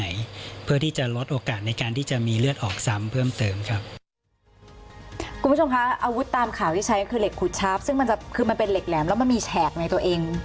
คุณผู้ชมคะอาวุธตามข่าวที่ใช้ก็คือเหล็กขุดชาร์ฟซึ่งมันจะคือมันเป็นเหล็กแหลมแล้วมันมีแฉกในตัวเอง